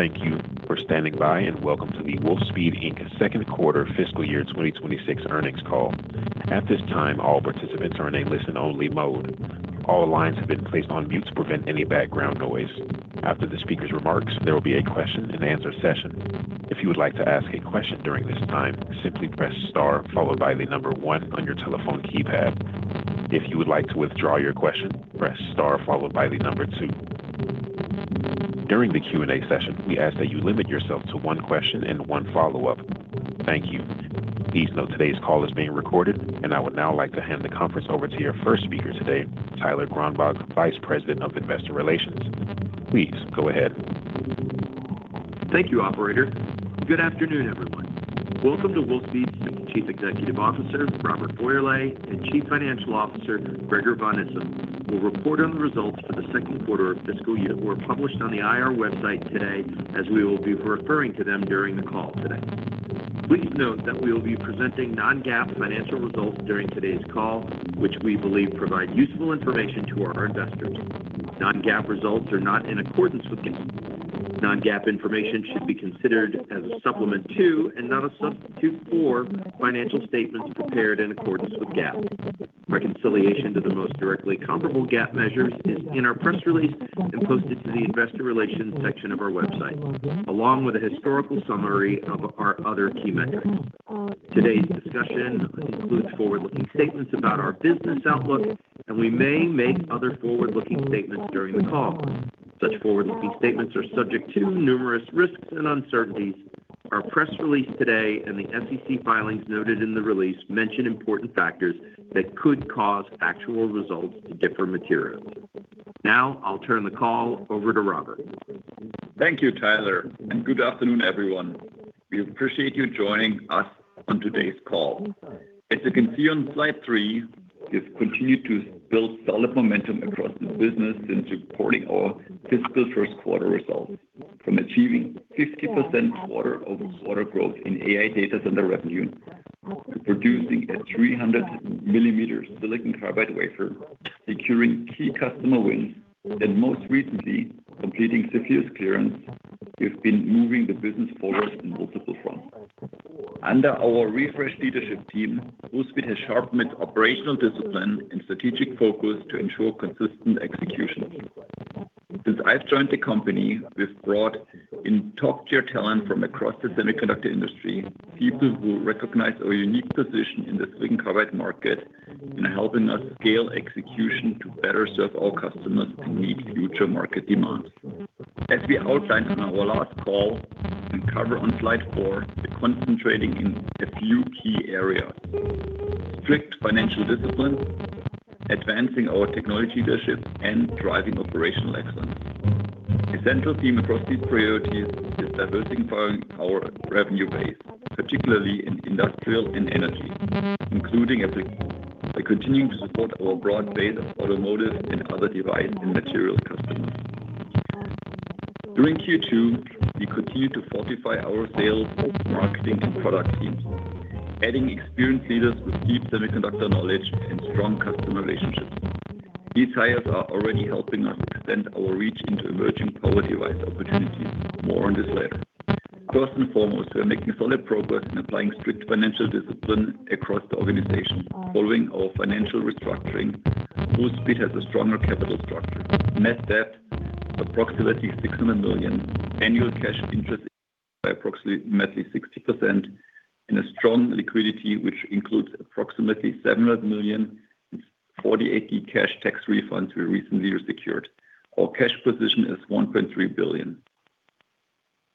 Thank you for standing by, and welcome to the Wolfspeed Inc. Second Quarter Fiscal Year 2026 Earnings Call. At this time, all participants are in a listen-only mode. All lines have been placed on mute to prevent any background noise. After the speaker's remarks, there will be a question-and-answer session. If you would like to ask a question during this time, simply press star followed by the number one on your telephone keypad. If you would like to withdraw your question, press star followed by the number two. During the Q&A session, we ask that you limit yourself to one question and one follow-up. Thank you. Please note today's call is being recorded, and I would now like to hand the conference over to your first speaker today, Tyler Gronbach, Vice President of Investor Relations. Please go ahead. Thank you, operator. Good afternoon, everyone. Welcome to Wolfspeed's Chief Executive Officer, Robert Feurle, and Chief Financial Officer, Gregor van Issum, will report on the results for the second quarter of fiscal year were published on the IR website today, as we will be referring to them during the call today. Please note that we will be presenting non-GAAP financial results during today's call, which we believe provide useful information to our investors. Non-GAAP results are not in accordance with GAAP. Non-GAAP information should be considered as a supplement to, and not a substitute for, financial statements prepared in accordance with GAAP. Reconciliation to the most directly comparable GAAP measures is in our press release and posted to the investor relations section of our website, along with a historical summary of our other key metrics. Today's discussion includes forward-looking statements about our business outlook, and we may make other forward-looking statements during the call. Such forward-looking statements are subject to numerous risks and uncertainties. Our press release today and the SEC filings noted in the release mention important factors that could cause actual results to differ materially. Now, I'll turn the call over to Robert. Thank you, Tyler, and good afternoon, everyone. We appreciate you joining us on today's call. As you can see on slide three, we've continued to build solid momentum across the business since reporting our fiscal first quarter results. From achieving 50% quarter-over-quarter growth in AI data center revenue, to producing a 300 mm silicon carbide wafer, securing key customer wins, and most recently, completing CFIUS's clearance, we've been moving the business forward on multiple fronts. Under our refreshed leadership team, Wolfspeed has sharpened its operational discipline and strategic focus to ensure consistent execution. Since I've joined the company, we've brought in top-tier talent from across the semiconductor industry, people who recognize our unique position in the silicon carbide market and helping us scale execution to better serve our customers and meet future market demands. As we outlined on our last call and cover on slide 4, we're concentrating in a few key areas: strict financial discipline, advancing our technology leadership, and driving operational excellence. Essential theme across these priorities is diversifying our revenue base, particularly in industrial and energy, including application, by continuing to support our broad base of automotive and other device and material customers. During Q2, we continued to fortify our sales, marketing, and product teams, adding experienced leaders with deep semiconductor knowledge and strong customer relationships. These hires are already helping us extend our reach into emerging power device opportunities. More on this later. First and foremost, we are making solid progress in applying strict financial discipline across the organization. Following our financial restructuring, Wolfspeed has a stronger capital structure. Net debt, approximately $600 million, annual cash interest by approximately 60%, and a strong liquidity, which includes approximately $748 million cash tax refunds we recently secured. Our cash position is $1.3 billion.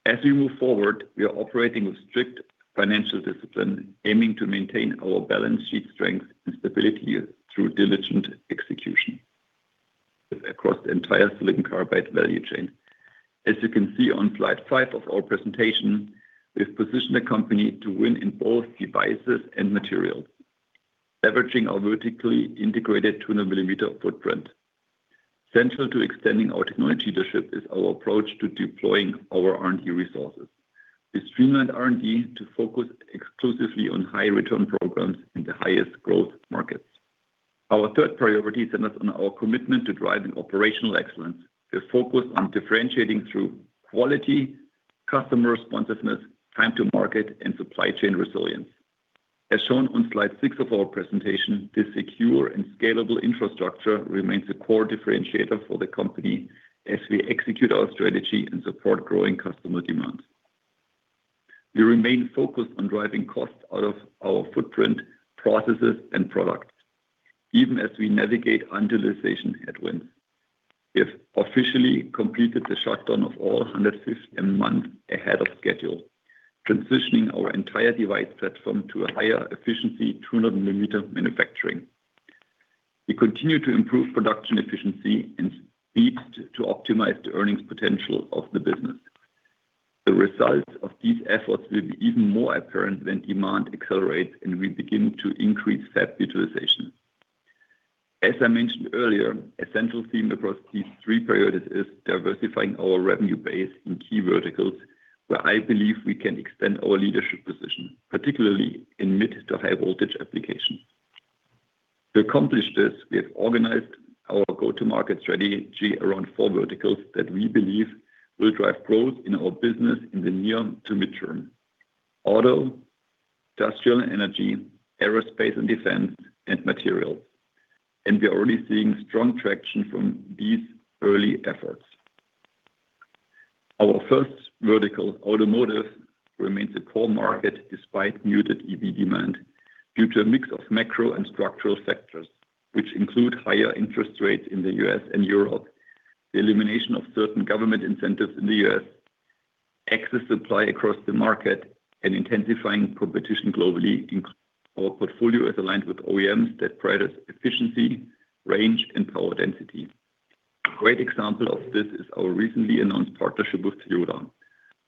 As we move forward, we are operating with strict financial discipline, aiming to maintain our balance sheet strength and stability through diligent execution across the entire silicon carbide value chain. As you can see on slide 5 of our presentation, we've positioned the company to win in both devices and materials, leveraging our vertically integrated 200 millimeter footprint. Central to extending our technology leadership is our approach to deploying our R&D resources. We streamlined R&D to focus exclusively on high-return programs in the highest growth markets. Our third priority centers on our commitment to driving operational excellence. We're focused on differentiating through quality, customer responsiveness, time to market, and supply chain resilience. As shown on slide 6 of our presentation, the secure and scalable infrastructure remains a core differentiator for the company as we execute our strategy and support growing customer demand. We remain focused on driving costs out of our footprint, processes, and products, even as we navigate underutilization headwinds. We have officially completed the shutdown of all 150mm ahead of schedule, transitioning our entire device platform to a higher efficiency, 200mm manufacturing. We continue to improve production efficiency and speed to optimize the earnings potential of the business. The result of these efforts will be even more apparent when demand accelerates, and we begin to increase fab utilization. As I mentioned earlier, a central theme across these three priorities is diversifying our revenue base in key verticals, where I believe we can extend our leadership position, particularly in mid to high voltage applications... To accomplish this, we have organized our go-to-market strategy around four verticals that we believe will drive growth in our business in the near to mid-term: auto, industrial and energy, aerospace and defense, and materials. We are already seeing strong traction from these early efforts. Our first vertical, automotive, remains a core market despite muted EV demand due to a mix of macro and structural sectors, which include higher interest rates in the U.S. and Europe, the elimination of certain government incentives in the U.S., excess supply across the market, and intensifying competition globally. Our portfolio is aligned with OEMs that prioritize efficiency, range, and power density. A great example of this is our recently announced partnership with Toyota,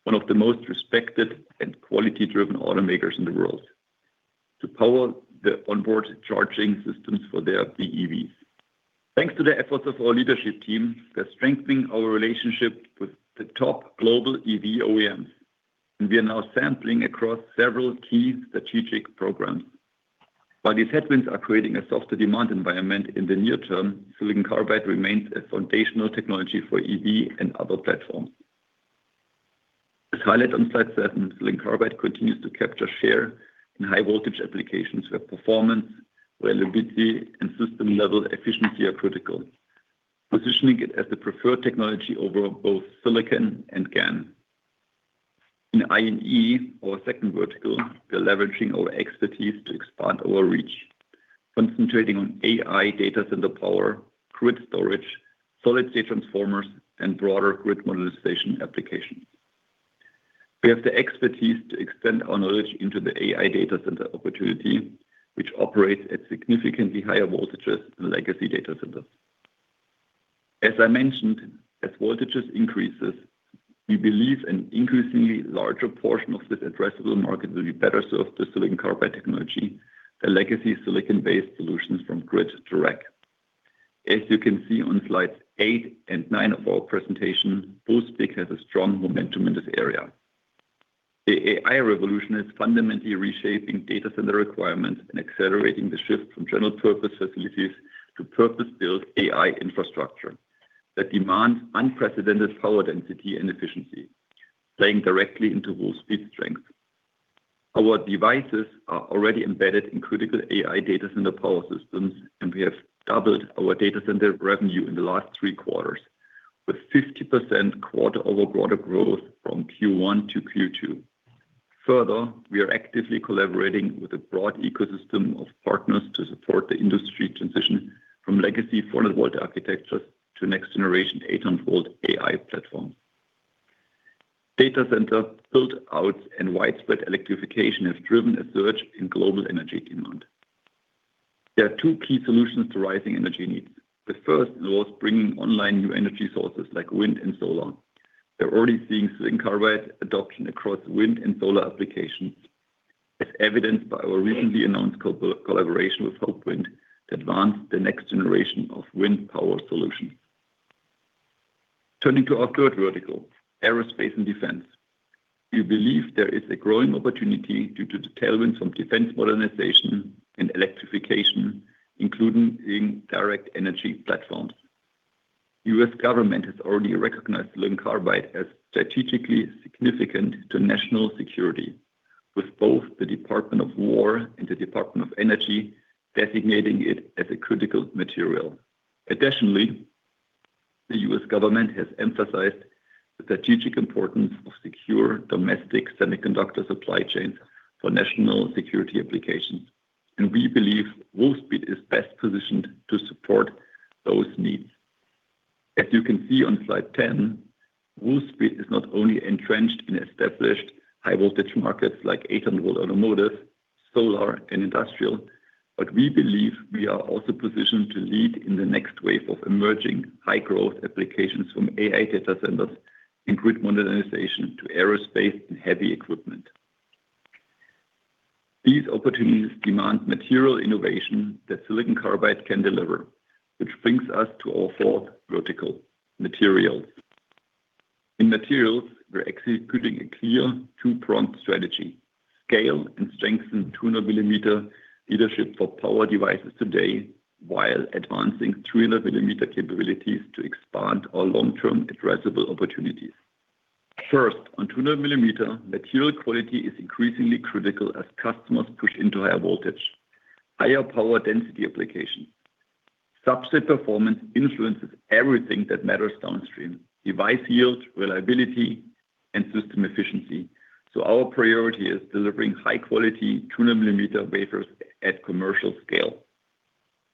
one of the most respected and quality-driven automakers in the world, to power the onboard charging systems for their BEVs. Thanks to the efforts of our leadership team, we are strengthening our relationship with the top global EV OEMs, and we are now sampling across several key strategic programs. While these headwinds are creating a softer demand environment in the near term, silicon carbide remains a foundational technology for EV and other platforms. As highlighted on slide 7, silicon carbide continues to capture share in high-voltage applications, where performance, reliability, and system-level efficiency are critical, positioning it as the preferred technology over both silicon and GaN. In I&E, our second vertical, we are leveraging our expertise to expand our reach, concentrating on AI data center power, grid storage, solid-state transformers, and broader grid modernization applications. We have the expertise to extend our knowledge into the AI data center opportunity, which operates at significantly higher voltages than legacy data centers. As I mentioned, as voltages increases, we believe an increasingly larger portion of this addressable market will be better served through silicon carbide technology than legacy silicon-based solutions from grid to rack. As you can see on slides 8 and 9 of our presentation, Wolfspeed has a strong momentum in this area. The AI revolution is fundamentally reshaping data center requirements and accelerating the shift from general-purpose facilities to purpose-built AI infrastructure that demands unprecedented power density and efficiency, playing directly into Wolfspeed's strength. Our devices are already embedded in critical AI data center power systems, and we have doubled our data center revenue in the last three quarters, with 50% quarter-over-quarter growth from Q1-Q2. Further, we are actively collaborating with a broad ecosystem of partners to support the industry transition from legacy 40-volt architectures to next-generation 800-volt AI platforms. Data center build-outs and widespread electrification have driven a surge in global energy demand. There are two key solutions to rising energy needs. The first involves bringing online new energy sources like wind and solar. We're already seeing silicon carbide adoption across wind and solar applications, as evidenced by our recently announced collaboration with Hopewind to advance the next generation of wind power solutions. Turning to our third vertical, aerospace and defense, we believe there is a growing opportunity due to the tailwinds from defense modernization and electrification, including direct energy platforms. U.S. government has already recognized silicon carbide as strategically significant to national security, with both the Department of War and the Department of Energy designating it as a critical material. Additionally, the U.S. government has emphasized the strategic importance of secure domestic semiconductor supply chains for national security applications, and we believe Wolfspeed is best positioned to support those needs. As you can see on slide 10, Wolfspeed is not only entrenched in established high-voltage markets like 800-volt automotive, solar, and industrial, but we believe we are also positioned to lead in the next wave of emerging high-growth applications from AI data centers and grid modernization to aerospace and heavy equipment. These opportunities demand material innovation that silicon carbide can deliver, which brings us to our fourth vertical, materials. In materials, we're executing a clear two-pronged strategy: scale and strengthen 200 millimeter leadership for power devices today, while advancing 300 millimeter capabilities to expand our long-term addressable opportunities. First, on 200 millimeter, material quality is increasingly critical as customers push into higher voltage, higher power density application. Substrate performance influences everything that matters downstream: device yield, reliability, and system efficiency. So our priority is delivering high-quality 200 millimeter wafers at commercial scale.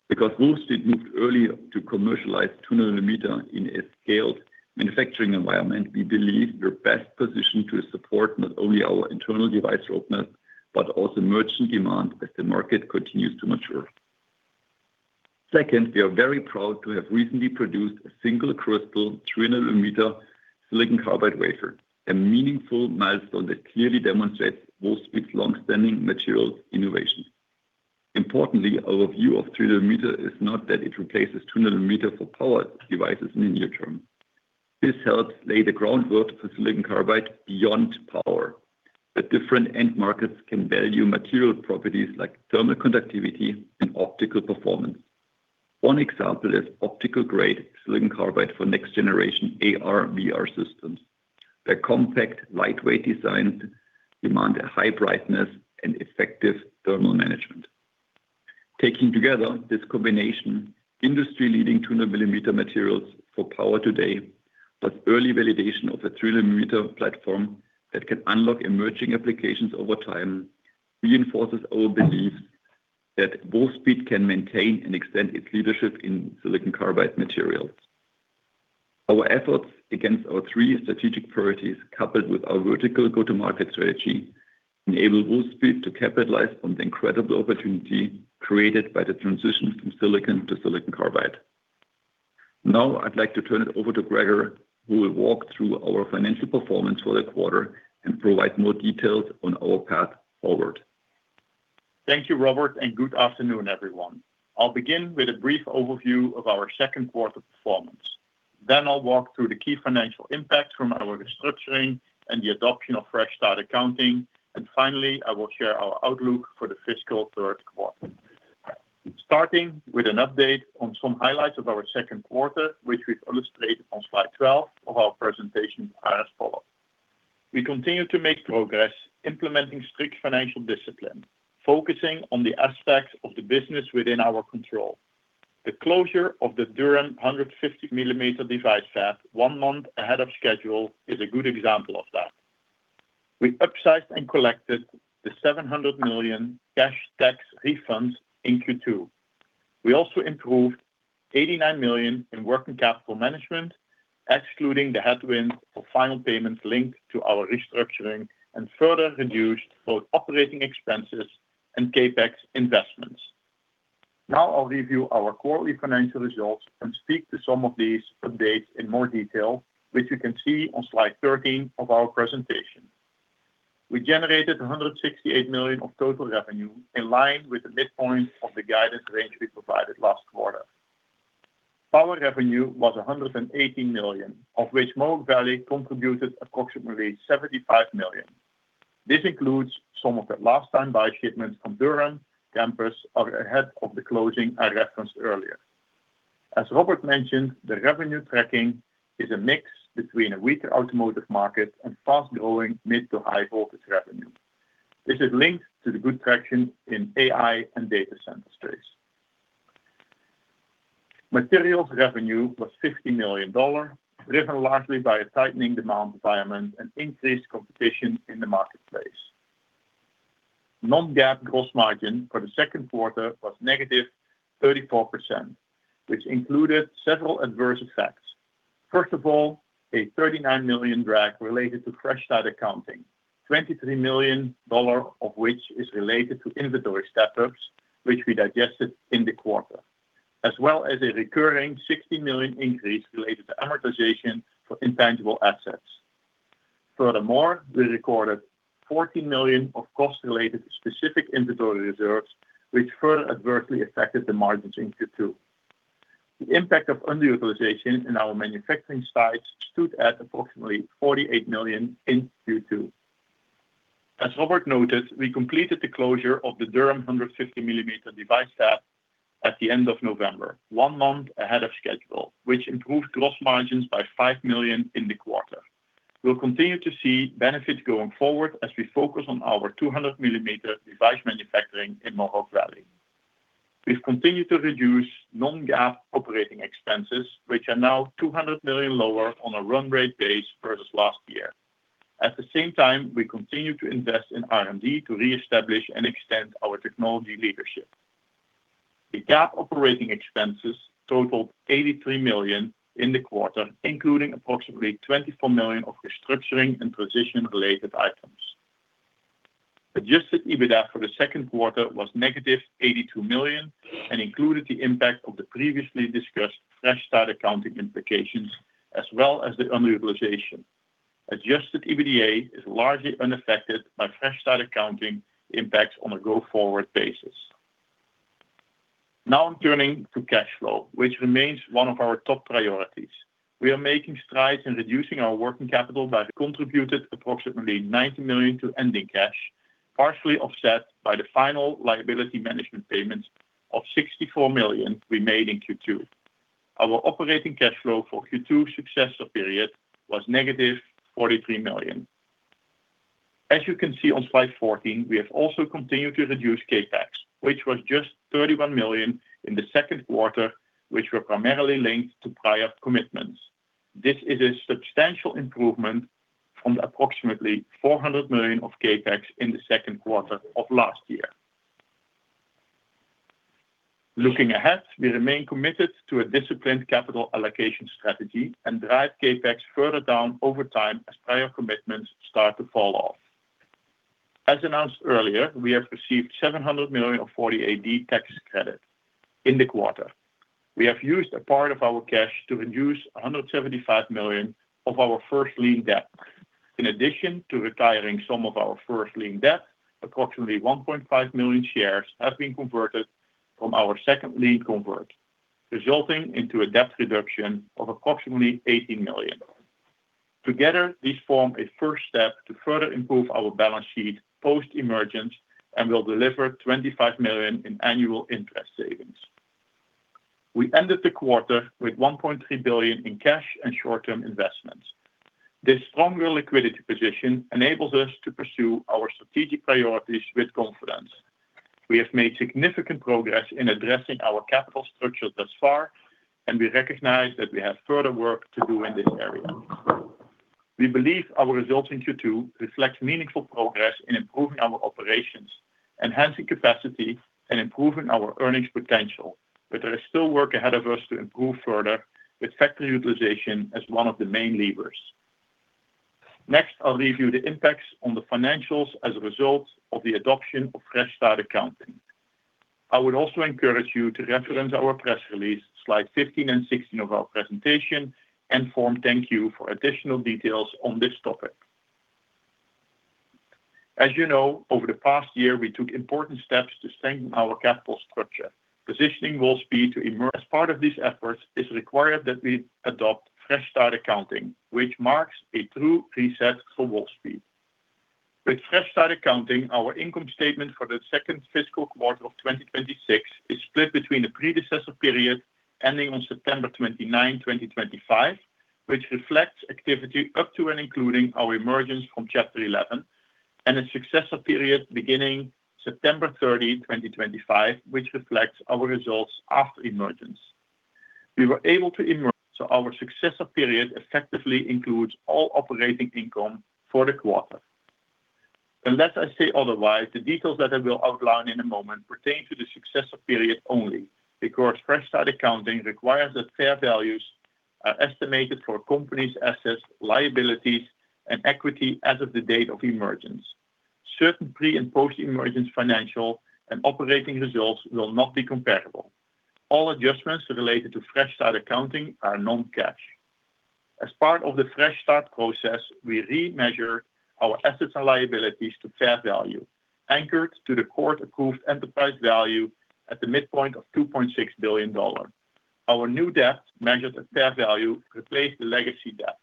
Because Wolfspeed moved early to commercialize 200 millimeter in a scaled manufacturing environment, we believe we're best positioned to support not only our internal device roadmap, but also merchant demand as the market continues to mature. Second, we are very proud to have recently produced a single crystal 300 millimeter silicon carbide wafer, a meaningful milestone that clearly demonstrates Wolfspeed's long-standing materials innovation. Importantly, our view of 300 millimeter is not that it replaces 200 millimeter for power devices in the near term.... This helps lay the groundwork for silicon carbide beyond power. The different end markets can value material properties like thermal conductivity and optical performance. One example is optical-grade silicon carbide for next generation AR/VR systems. Their compact, lightweight design demand a high brightness and effective thermal management. Taking together this combination, industry-leading 200 millimeter materials for power today, but early validation of a 300-millimeter platform that can unlock emerging applications over time, reinforces our belief that Wolfspeed can maintain and extend its leadership in silicon carbide materials. Our efforts against our three strategic priorities, coupled with our vertical go-to-market strategy, enable Wolfspeed to capitalize on the incredible opportunity created by the transition from silicon to silicon carbide. Now, I'd like to turn it over to Gregor, who will walk through our financial performance for the quarter and provide more details on our path forward. Thank you, Robert, and good afternoon, everyone. I'll begin with a brief overview of our second quarter performance. Then I'll walk through the key financial impacts from our restructuring and the adoption of Fresh Start Accounting, and finally, I will share our outlook for the fiscal third quarter. Starting with an update on some highlights of our second quarter, which we've illustrated on slide 12 of our presentation as follows. We continue to make progress implementing strict financial discipline, focusing on the aspects of the business within our control. The closure of the Durham 150 millimeter device fab, one month ahead of schedule, is a good example of that. We upsized and collected the $700 million cash tax refunds in Q2. We also improved $89 million in working capital management, excluding the headwinds for final payments linked to our restructuring, and further reduced both operating expenses and CapEx investments. Now, I'll review our quarterly financial results and speak to some of these updates in more detail, which you can see on slide 13 of our presentation. We generated $168 million of total revenue, in line with the midpoint of the guidance range we provided last quarter. Power revenue was $118 million, of which Mohawk Valley contributed approximately $75 million. This includes some of the last-time buy shipments from Durham campus are ahead of the closing I referenced earlier. As Robert mentioned, the revenue tracking is a mix between a weaker automotive market and fast-growing mid to high-voltage revenue. This is linked to the good traction in AI and data center space. Materials revenue was $50 million, driven largely by a tightening demand environment and increased competition in the marketplace. Non-GAAP gross margin for the second quarter was -34%, which included several adverse effects. First of all, a $39 million drag related to Fresh Start Accounting, $23 million of which is related to inventory step-ups, which we digested in the quarter, as well as a recurring $60 million increase related to amortization for intangible assets. Furthermore, we recorded $14 million of costs related to specific inventory reserves, which further adversely affected the margins in Q2. The impact of underutilization in our manufacturing sites stood at approximately $48 million in Q2. As Robert noted, we completed the closure of the Durham 150-millimeter device fab at the end of November, one month ahead of schedule, which improved gross margins by $5 million in the quarter. We'll continue to see benefits going forward as we focus on our 200-millimeter device manufacturing in Mohawk Valley. We've continued to reduce non-GAAP operating expenses, which are now $200 million lower on a run rate base versus last year. At the same time, we continue to invest in R&D to reestablish and extend our technology leadership. The GAAP operating expenses totaled $83 million in the quarter, including approximately $24 million of restructuring and transition-related items. Adjusted EBITDA for the second quarter was negative $82 million and included the impact of the previously discussed fresh start accounting implications, as well as the underutilization. Adjusted EBITDA is largely unaffected by fresh start accounting impacts on a go-forward basis. Now, turning to cash flow, which remains one of our top priorities. We are making strides in reducing our working capital by contributing approximately $90 million to ending cash, partially offset by the final liability management payments of $64 million we made in Q2. Our operating cash flow for Q2 successor period was negative $43 million. As you can see on slide 14, we have also continued to reduce CapEx, which was just $31 million in the second quarter, which were primarily linked to prior commitments. This is a substantial improvement from the approximately $400 million of CapEx in the second quarter of last year. Looking ahead, we remain committed to a disciplined capital allocation strategy and drive CapEx further down over time as prior commitments start to fall off. As announced earlier, we have received $700 million of 48D tax credit in the quarter. We have used a part of our cash to reduce $175 million of our first lien debt. In addition to retiring some of our first lien debt, approximately 1.5 million shares have been converted from our second lien convert, resulting into a debt reduction of approximately $80 million. Together, these form a first step to further improve our balance sheet post-emergence, and will deliver $25 million in annual interest savings. We ended the quarter with $1.3 billion in cash and short-term investments. This stronger liquidity position enables us to pursue our strategic priorities with confidence. We have made significant progress in addressing our capital structure thus far, and we recognize that we have further work to do in this area. We believe our results in Q2 reflect meaningful progress in improving our operations, enhancing capacity, and improving our earnings potential, but there is still work ahead of us to improve further with factory utilization as one of the main levers. Next, I'll review the impacts on the financials as a result of the adoption of Fresh Start Accounting. I would also encourage you to reference our press release, slide 15 and 16 of our presentation, and Form 10-Q for additional details on this topic. As you know, over the past year, we took important steps to strengthen our capital structure. Positioning Wolfspeed to emerge as part of these efforts is required that we adopt Fresh Start Accounting, which marks a true reset for Wolfspeed. With Fresh Start Accounting, our income statement for the second fiscal quarter of 2026 is split between the predecessor period ending on September 29th, 2025, which reflects activity up to and including our emergence from Chapter 11, and a successor period beginning September 30th, 2025, which reflects our results after emergence. We were able to emerge, so our successor period effectively includes all operating income for the quarter. Unless I say otherwise, the details that I will outline in a moment pertain to the successor period only. Because Fresh Start Accounting requires that fair values are estimated for a company's assets, liabilities, and equity as of the date of emergence. Certain pre- and post-emergence financial and operating results will not be comparable. All adjustments related to Fresh Start Accounting are non-cash. As part of the Fresh Start process, we remeasure our assets and liabilities to fair value, anchored to the court-approved enterprise value at the midpoint of $2.6 billion. Our new debt, measured at fair value, replaced the legacy debt.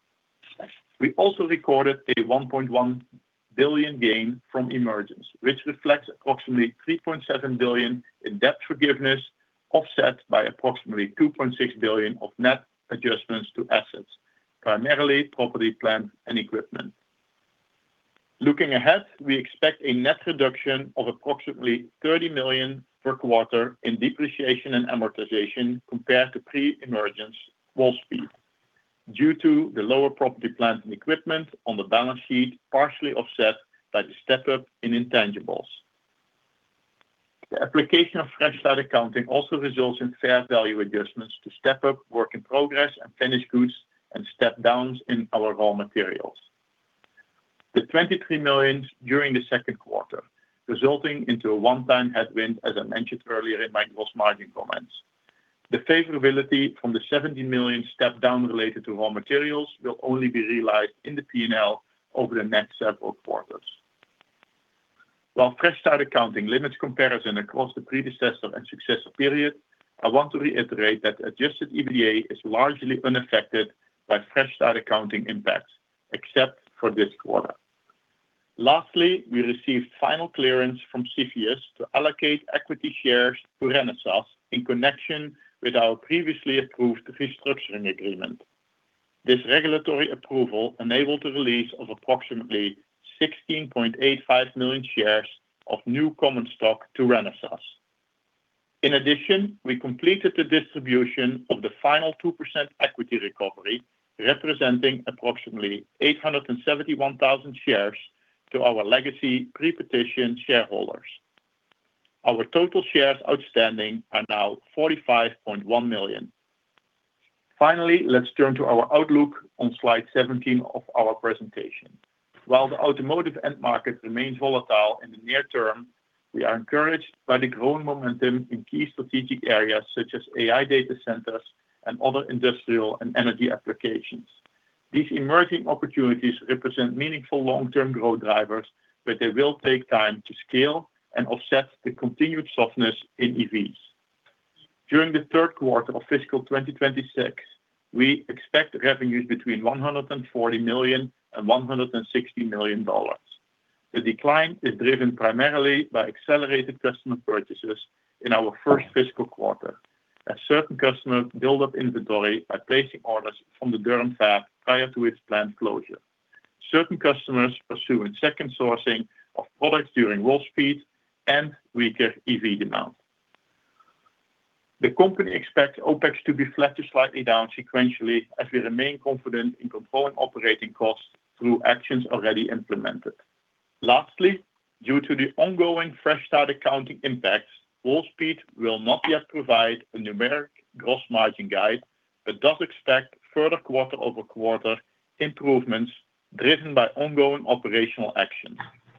We also recorded a $1.1 billion gain from emergence, which reflects approximately $3.7 billion in debt forgiveness, offset by approximately $2.6 billion of net adjustments to assets, primarily property, plant, and equipment. Looking ahead, we expect a net reduction of approximately $30 million per quarter in depreciation and amortization compared to pre-emergence Wolfspeed, due to the lower property, plant, and equipment on the balance sheet, partially offset by the step-up in intangibles. The application of Fresh Start accounting also results in fair value adjustments to step-up work in progress and finished goods and step downs in our raw materials. The $23 million during the second quarter, resulting in a one-time headwind, as I mentioned earlier in my gross margin comments. The favorability from the $17 million step down related to raw materials will only be realized in the P&L over the next several quarters. While Fresh Start Accounting limits comparison across the predecessor and successor period, I want to reiterate that adjusted EBITDA is largely unaffected by Fresh Start Accounting impacts, except for this quarter. Lastly, we received final clearance from CFIUS to allocate equity shares to Renesas in connection with our previously approved restructuring agreement. This regulatory approval enabled the release of approximately 16.85 million shares of new common stock to Renesas. In addition, we completed the distribution of the final 2% equity recovery, representing approximately 871,000 shares to our legacy pre-petition shareholders. Our total shares outstanding are now 45.1 million. Finally, let's turn to our outlook on slide 17 of our presentation. While the automotive end market remains volatile in the near term, we are encouraged by the growing momentum in key strategic areas such as AI data centers and other industrial and energy applications. These emerging opportunities represent meaningful long-term growth drivers, but they will take time to scale and offset the continued softness in EVs. During the third quarter of fiscal 2026, we expect revenues between $140 million and $160 million. The decline is driven primarily by accelerated customer purchases in our first fiscal quarter, as certain customers build up inventory by placing orders from the Durham fab prior to its planned closure. Certain customers pursuing second sourcing of products during Wolfspeed and weaker EV demand. The company expects OpEx to be flat to slightly down sequentially, as we remain confident in controlling operating costs through actions already implemented. Lastly, due to the ongoing Fresh Start Accounting impacts, Wolfspeed will not yet provide a numeric gross margin guide, but does expect further quarter-over-quarter improvements driven by ongoing operational actions.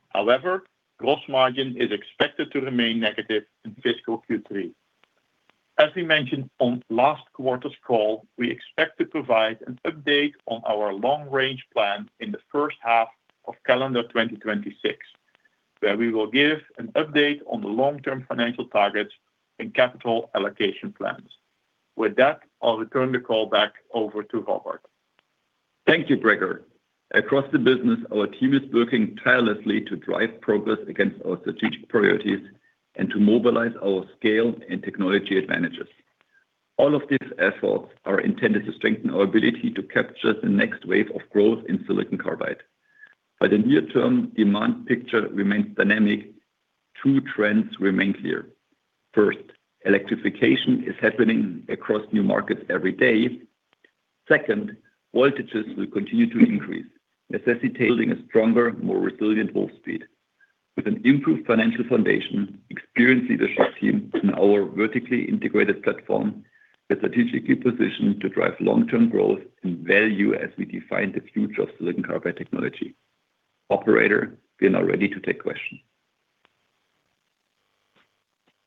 However, gross margin is expected to remain negative in fiscal Q3. As we mentioned on last quarter's call, we expect to provide an update on our long-range plan in the first half of calendar 2026, where we will give an update on the long-term financial targets and capital allocation plans. With that, I'll return the call back over to Robert. Thank you, Gregor. Across the business, our team is working tirelessly to drive progress against our strategic priorities and to mobilize our scale and technology advantages. All of these efforts are intended to strengthen our ability to capture the next wave of growth in silicon carbide. But the near-term demand picture remains dynamic. Two trends remain clear. First, electrification is happening across new markets every day. Second, voltages will continue to increase, necessitating a stronger, more resilient Wolfspeed. With an improved financial foundation, experienced leadership team, and our vertically integrated platform, we're strategically positioned to drive long-term growth and value as we define the future of silicon carbide technology. Operator, we are now ready to take questions.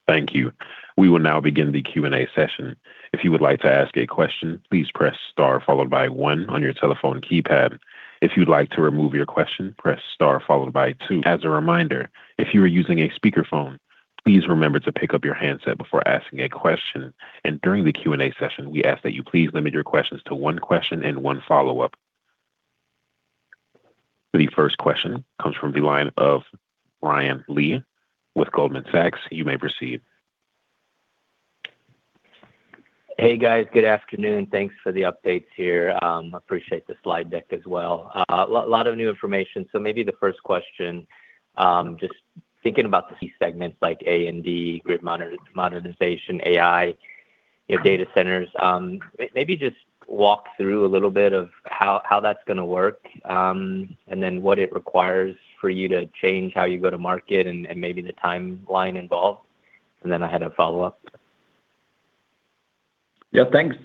Thank you. We will now begin the Q&A session. If you would like to ask a question, please press Star, followed by one on your telephone keypad. If you'd like to remove your question, press Star followed by two. As a reminder, if you are using a speakerphone, please remember to pick up your handset before asking a question. During the Q&A session, we ask that you please limit your questions to one question and one follow-up. The first question comes from the line of Brian Lee with Goldman Sachs. You may proceed. Hey, guys. Good afternoon. Thanks for the updates here. Appreciate the slide deck as well. Lot of new information. So maybe the first question, just thinking about the key segments like A and D, grid modernization, AI, you know, data centers, maybe just walk through a little bit of how that's gonna work, and then what it requires for you to change how you go to market and maybe the timeline involved. And then I had a follow-up. Yeah, thanks,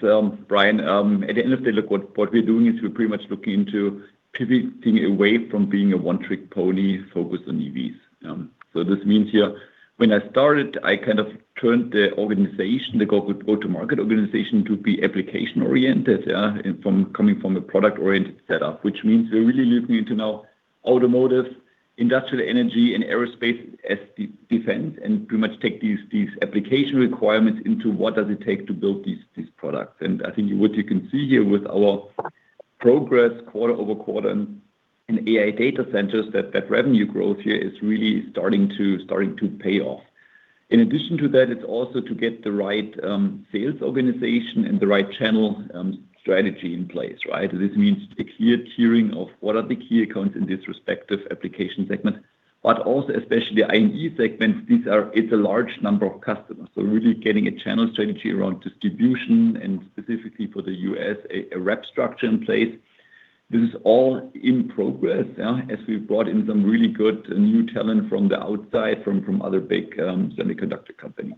Brian. At the end of the day, look, what we're doing is we're pretty much looking to pivoting away from being a one-trick pony focused on EVs. So this means here, when I started, I kind of turned the organization, the go-to-market organization, to be application-oriented, yeah, and coming from a product-oriented setup, which means we're really looking into now automotive, industrial energy, and aerospace and defense, and pretty much take these application requirements into what does it take to build these products. And I think what you can see here with our progress quarter-over-quarter in AI data centers, that revenue growth here is really starting to pay off. In addition to that, it's also to get the right sales organization and the right channel strategy in place, right? This means a clear tiering of what are the key accounts in this respective application segment, but also especially I&E segments. These are. It's a large number of customers. So really getting a channel strategy around distribution and specifically for the U.S., a rep structure in place. This is all in progress, yeah, as we've brought in some really good new talent from the outside, from other big semiconductor companies.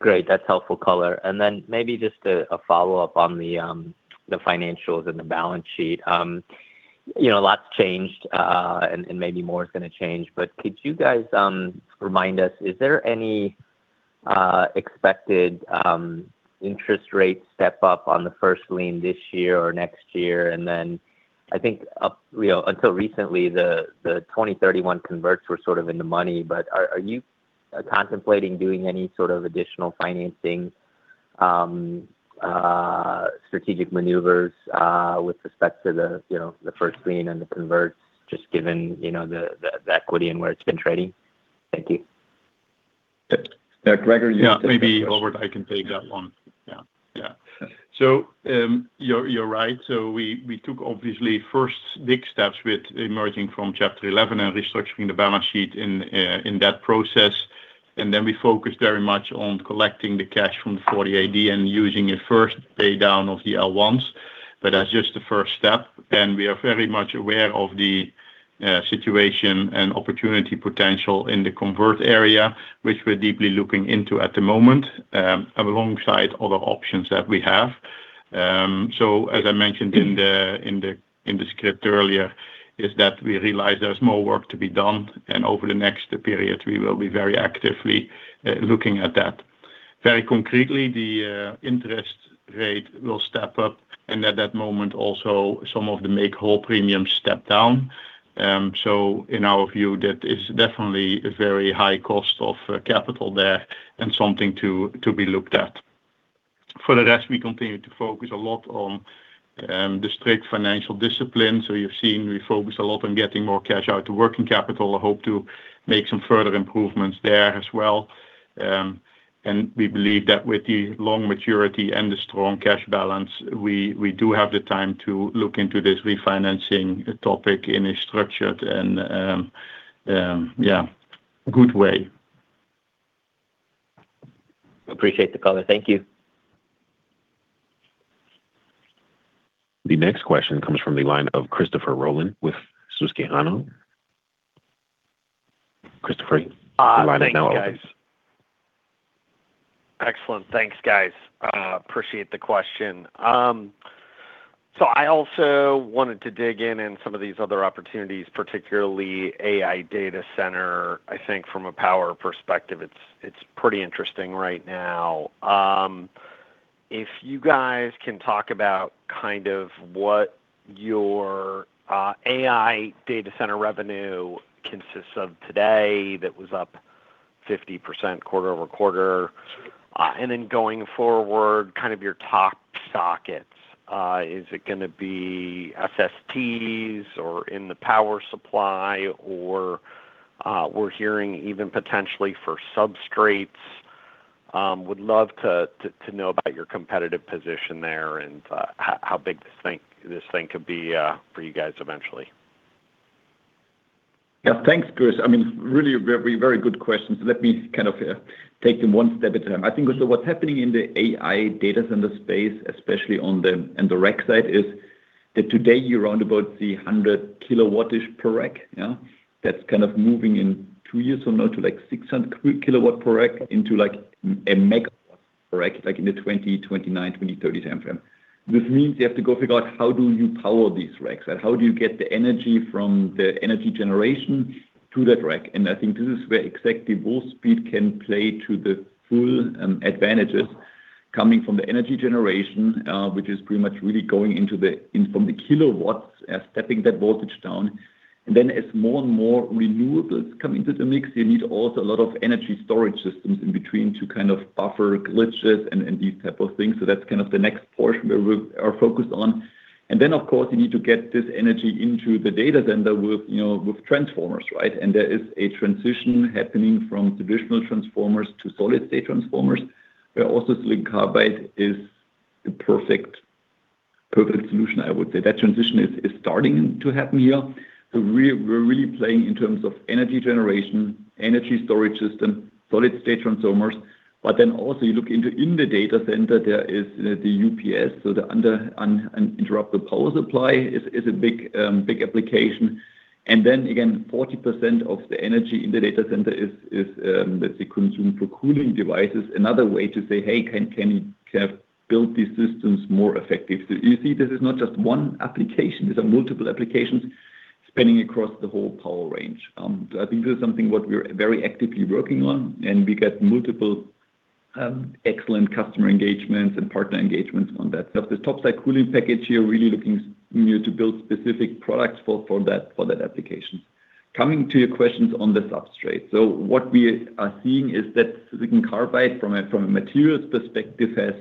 Great, that's helpful color. And then maybe just a follow-up on the financials and the balance sheet. You know, a lot's changed, and maybe more is gonna change, but could you guys remind us, is there any expected interest rate step up on the first lien this year or next year? And then I think, you know, until recently, the 2031 converts were sort of in the money, but are you contemplating doing any sort of additional financing, strategic maneuvers, with respect to the first lien and the converts, just given, you know, the equity and where it's been trading? Thank you. Yeah, Gregor, you- Yeah, maybe, Robert, I can take that one. Yeah. Yeah. So, you're right. So we took obviously first big steps with emerging from Chapter Eleven and restructuring the balance sheet in that process. And then we focused very much on collecting the cash from the 48D and using a first pay down of the L1s. But that's just the first step, and we are very much aware of the situation and opportunity potential in the convert area, which we're deeply looking into at the moment, alongside other options that we have. So as I mentioned in the script earlier, we realize there's more work to be done, and over the next period, we will be very actively looking at that. Very concretely, the interest rate will step up, and at that moment, also, some of the make whole premiums step down. So in our view, that is definitely a very high cost of capital there and something to be looked at. For the rest, we continue to focus a lot on the strict financial discipline. So you've seen we focus a lot on getting more cash out to working capital. I hope to make some further improvements there as well. And we believe that with the long maturity and the strong cash balance, we do have the time to look into this refinancing topic in a structured and good way. Appreciate the color. Thank you. The next question comes from the line of Christopher Rolland with Susquehanna. Christopher, the line is now open. Excellent. Thanks, guys. Appreciate the question. So I also wanted to dig in in some of these other opportunities, particularly AI data center. I think from a power perspective, it's, it's pretty interesting right now. If you guys can talk about kind of what your, AI data center revenue consists of today, that was up 50% quarter-over-quarter. And then going forward, kind of your top sockets, is it gonna be SSTs or in the power supply or, we're hearing even potentially for substrates? Would love to, to, to know about your competitive position there and, how, how big this thing, this thing could be, for you guys eventually. Yeah. Thanks, Chris. I mean, really very, very good question. So let me kind of take them one step at a time. I think so what's happening in the AI data center space, especially in the rack side, is that today you're around about the 100 kW-ish per rack, yeah? That's kind of moving in 2 years from now to, like, 600 kW per rack into, like, 1 MW per rack, like in the 2029, 2030 timeframe. This means you have to go figure out how do you power these racks, and how do you get the energy from the energy generation to that rack? And I think this is where exactly Wolfspeed can play to the full advantages coming from the energy generation, which is pretty much really going into the in from the kilowatts, stepping that voltage down. And then as more and more renewables come into the mix, you need also a lot of energy storage systems in between to kind of buffer glitches and these type of things. So that's kind of the next portion where we are focused on. And then, of course, you need to get this energy into the data center with, you know, with transformers, right? And there is a transition happening from traditional transformers to solid-state transformers, where also silicon carbide is the perfect, perfect solution, I would say. That transition is starting to happen here. So we're really playing in terms of energy generation, energy storage system, solid-state transformers. But then also you look into, in the data center, there is the UPS, so the uninterruptible power supply is a big application. And then again, 40% of the energy in the data center is, let's say, consumed for cooling devices. Another way to say, "Hey, can you build these systems more effective?" So you see, this is not just one application, these are multiple applications spanning across the whole power range. I think this is something what we're very actively working on, and we got multiple excellent customer engagements and partner engagements on that. So this topside cooling package, you're really looking, you know, to build specific products for that application. Coming to your questions on the substrate. So what we are seeing is that silicon carbide, from a materials perspective, has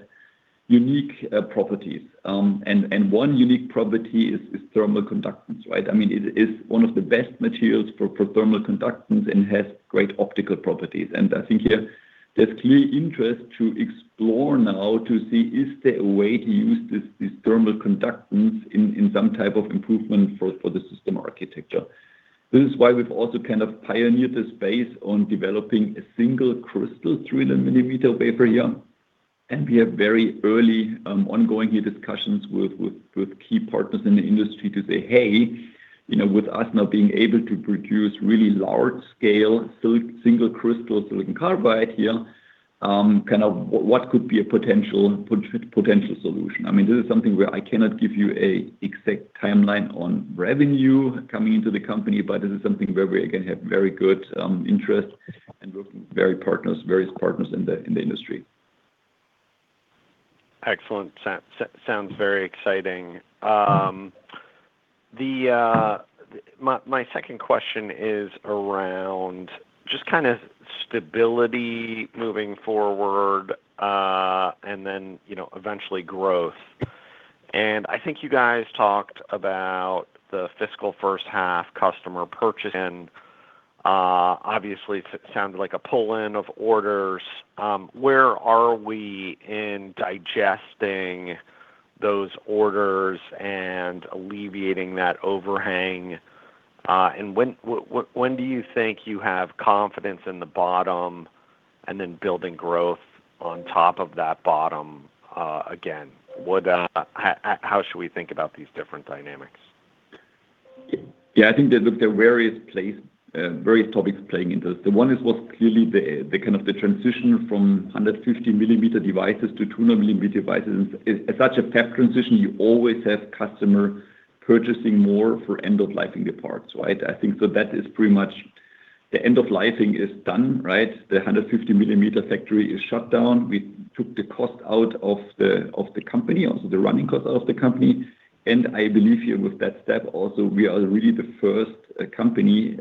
unique properties. And one unique property is thermal conductance, right? I mean, it is one of the best materials for thermal conductance and has great optical properties. And I think here there's clear interest to explore now to see, is there a way to use this thermal conductance in some type of improvement for the system architecture? This is why we've also kind of pioneered the space on developing a single crystal, 300-millimeter wafer here, and we have very early, ongoing discussions with key partners in the industry to say, "Hey, you know, with us now being able to produce really large-scale SiC single crystal silicon carbide here, kind of what could be a potential solution?" I mean, this is something where I cannot give you an exact timeline on revenue coming into the company, but this is something where we, again, have very good interest and with various partners in the industry. Excellent. Sounds very exciting. My second question is around just kind of stability moving forward, and then, you know, eventually growth. I think you guys talked about the fiscal first half customer purchasing, obviously, it sounded like a pull-in of orders. Where are we in digesting those orders and alleviating that overhang? And when do you think you have confidence in the bottom, and then building growth on top of that bottom, again? How should we think about these different dynamics? Yeah, I think they looked at various places, various topics playing into this. The one is what's clearly the kind of the transition from 150 millimeter devices to 200 millimeter devices. In such a step transition, you always have customer purchasing more for end-of-lifeing the parts, right? I think so that is pretty much the end-of-lifeing is done, right? The 150 millimeter factory is shut down. We took the cost out of the company, also the running cost of the company. And I believe here with that step also, we are really the first company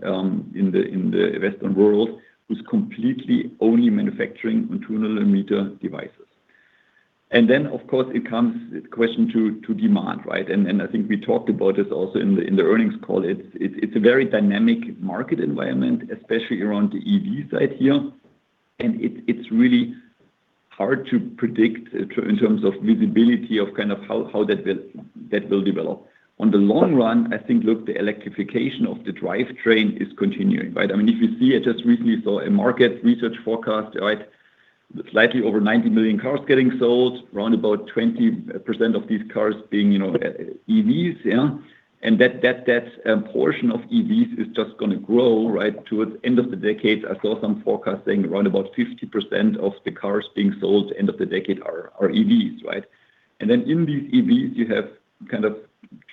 in the Western world who's completely only manufacturing on 200 millimeter devices. And then, of course, it comes question to demand, right? And I think we talked about this also in the earnings call. It's a very dynamic market environment, especially around the EV side here, and it's really hard to predict in terms of visibility, of kind of how that will develop. In the long run, I think, look, the electrification of the drivetrain is continuing, right? I mean, if you see, I just recently saw a market research forecast, right? Slightly over 90 million cars getting sold, around about 20% of these cars being, you know, EVs, yeah. And that portion of EVs is just gonna grow, right, towards end of the decade. I saw some forecasting around about 50% of the cars being sold end of the decade are EVs, right? And then in these EVs, you have kind of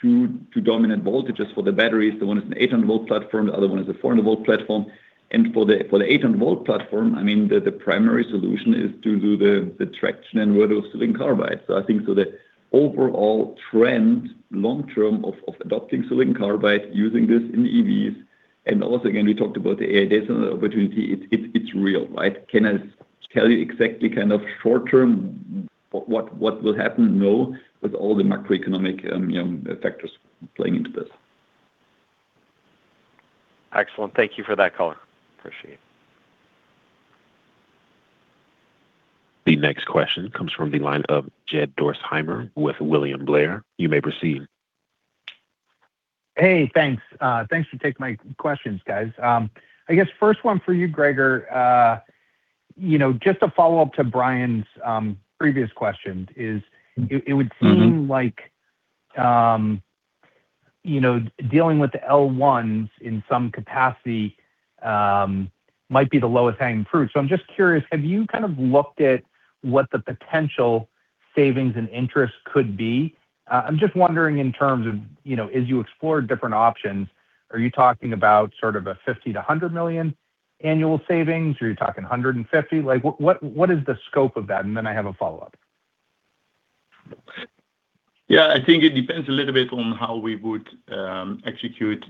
two dominant voltages for the batteries. The one is an 800-volt platform, the other one is a 400-volt platform. And for the 800-volt platform, I mean, the primary solution is to do the traction and where those silicon carbide. So I think so the overall trend, long-term of adopting silicon carbide, using this in EVs, and also, again, we talked about the AI, there's an opportunity, it's real, right? Can I tell you exactly kind of short-term what will happen? No, with all the macroeconomic, you know, factors playing into this. Excellent. Thank you for that color. Appreciate it. The next question comes from the line of Jed Dorsheimer with William Blair. You may proceed. Hey, thanks. Thanks for taking my questions, guys. I guess first one for you, Gregor. You know, just a follow-up to Brian's previous question is, it would seem- Mm-hmm... like, you know, dealing with the L1s in some capacity, might be the lowest hanging fruit. So I'm just curious, have you kind of looked at what the potential savings and interest could be? I'm just wondering, in terms of, you know, as you explore different options, are you talking about sort of a $50 million-$100 million annual savings, or are you talking $150 million? Like, what, what, what is the scope of that? And then I have a follow-up. Yeah, I think it depends a little bit on how we would execute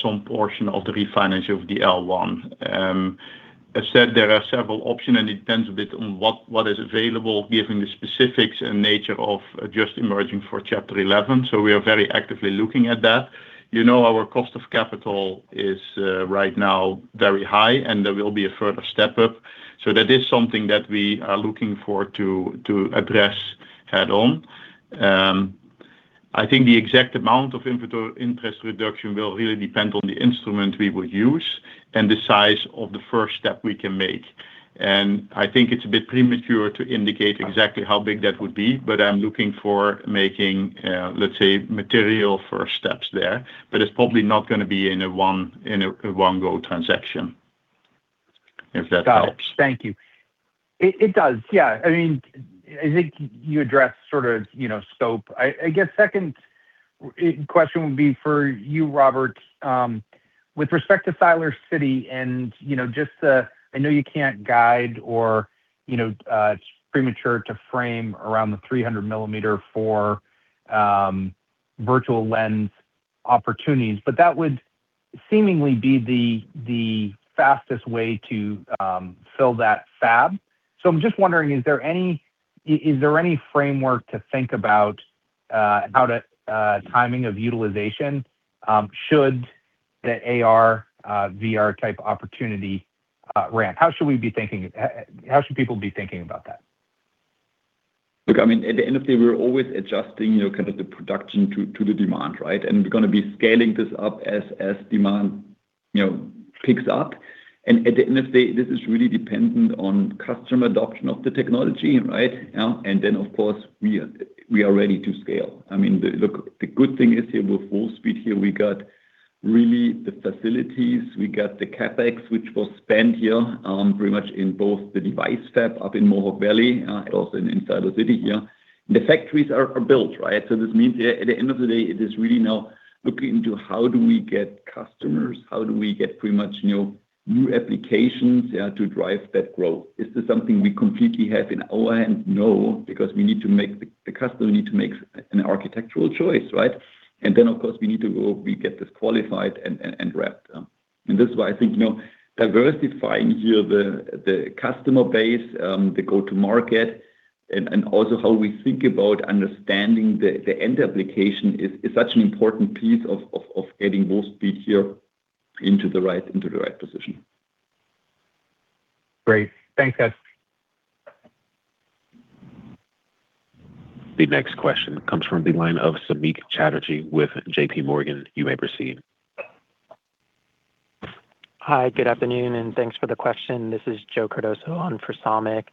some portion of the refinance of the L1. As said, there are several options, and it depends a bit on what is available, given the specifics and nature of just emerging for Chapter 11. So we are very actively looking at that. You know, our cost of capital is right now very high, and there will be a further step up. So that is something that we are looking for to address head on. I think the exact amount of interest reduction will really depend on the instrument we will use and the size of the first step we can make. And I think it's a bit premature to indicate exactly how big that would be, but I'm looking for making, let's say, material first steps there. But it's probably not gonna be in a one-go transaction, if that helps. Got it. Thank you. It does, yeah. I mean, I think you addressed sort of, you know, scope. I guess second question would be for you, Robert. With respect to Siler City and, you know, just, I know you can't guide or, you know, it's premature to frame around the 300 millimeter for virtual lens opportunities, but that would seemingly be the fastest way to fill that fab. So I'm just wondering, is there any framework to think about how to timing of utilization should the AR, VR-type opportunity ramp? How should we be thinking? How should people be thinking about that? Look, I mean, at the end of day, we're always adjusting, you know, kind of the production to the demand, right? And we're gonna be scaling this up as demand, you know, picks up. And at the end of day, this is really dependent on customer adoption of the technology, right? And then, of course, we are ready to scale. I mean, Look, the good thing is here with Wolfspeed here, we got really the facilities, we got the CapEx, which was spent here, pretty much in both the device step up in Mohawk Valley, and also in Siler City here. The factories are built, right? So this means that at the end of the day, it is really now looking into how do we get customers, how do we get pretty much, you know, new applications, yeah, to drive that growth. Is this something we completely have in our hands? No, because we need to make the customer need to make an architectural choice, right? And then, of course, we need to go, we get this qualified and wrapped. And this is why I think, you know, diversifying here, the customer base, the go-to market, and also how we think about understanding the end application is such an important piece of getting more speed here into the right position. Great. Thanks, guys. The next question comes from the line of Samik Chatterjee with J.P. Morgan. You may proceed. Hi, good afternoon, and thanks for the question. This is Joe Cardoso on for Samik.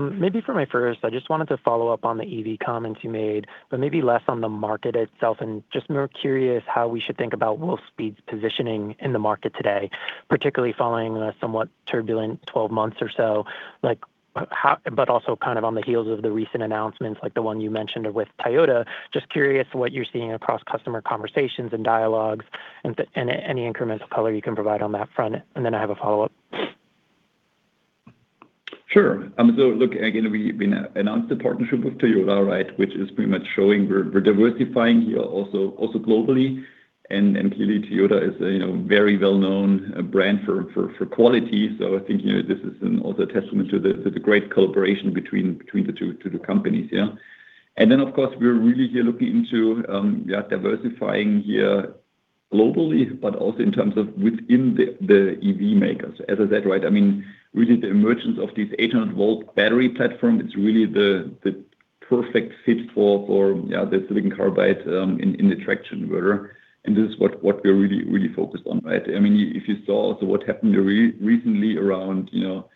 Maybe for my first, I just wanted to follow up on the EV comments you made, but maybe less on the market itself. And just more curious how we should think about Wolfspeed's positioning in the market today, particularly following a somewhat turbulent 12 months or so. Like, how but also kind of on the heels of the recent announcements, like the one you mentioned with Toyota. Just curious what you're seeing across customer conversations and dialogues, and any incremental color you can provide on that front. And then I have a follow-up. Sure. So look, again, we announced the partnership with Toyota, right? Which is pretty much showing we're diversifying here also globally. And clearly, Toyota is a, you know, very well-known brand for quality. So I think, you know, this is an also testament to the great collaboration between the two companies, yeah. And then, of course, we're really here looking into, yeah, diversifying here globally, but also in terms of within the EV makers. As I said, right, I mean, really, the emergence of this 800-volt battery platform, it's really the perfect fit for the silicon carbide in the traction motor. And this is what we're really focused on, right? I mean, if you saw also what happened recently around, you know,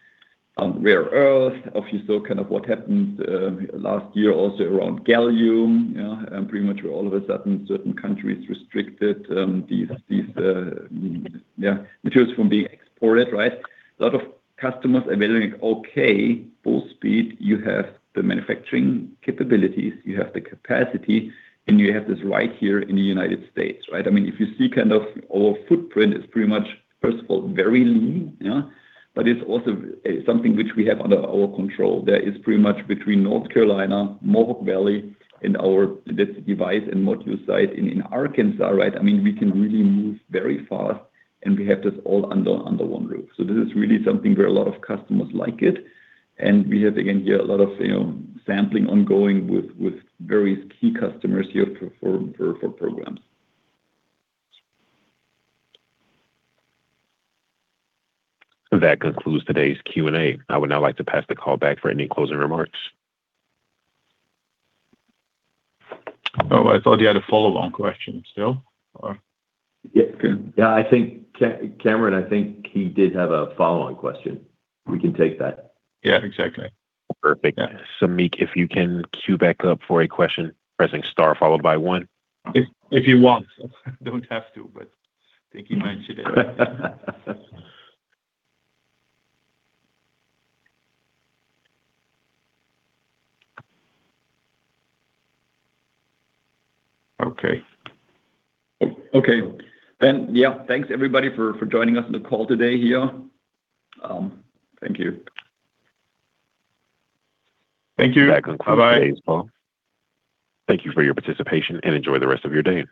rare earth, if you saw kind of what happened last year, also around gallium, yeah. Pretty much all of a sudden, certain countries restricted these materials from being exported, right? A lot of customers are wondering, okay, Wolfspeed, you have the manufacturing capabilities, you have the capacity, and you have this right here in the United States, right? I mean, if you see kind of our footprint, it's pretty much, first of all, very lean, yeah, but it's also something which we have under our control. That is pretty much between North Carolina, Mohawk Valley, and our device and module site in Arkansas, right? I mean, we can really move very fast, and we have this all under one roof. This is really something where a lot of customers like it, and we have, again, here, a lot of, you know, sampling ongoing with various key customers here for programs. That concludes today's Q&A. I would now like to pass the call back for any closing remarks. Oh, I thought you had a follow-on question still, or? Yeah. Yeah, I think Cameron, I think he did have a follow-on question. We can take that. Yeah, exactly. Perfect. Samik, if you can queue back up for a question, pressing star followed by one. If you want. Don't have to, but think you might today. Okay. Okay. Yeah, thanks, everybody, for joining us on the call today here. Thank you. Thank you. That concludes today's call. Bye-bye. Thank you for your participation, and enjoy the rest of your day.